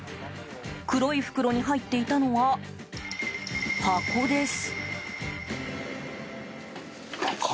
黒い袋に入っていたのは箱です。